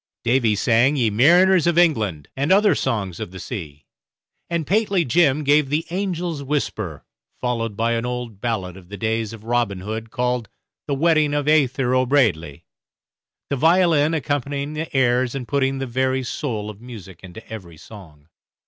Davy sang "Ye Mariners of England," and other songs of the sea; and Pateley Jim gave the "Angel's Whisper," followed by an old ballad of the days of Robin Hood called "The Wedding of Aythur O'Braidley," the violin accompanying the airs and putting the very soul of music into every song.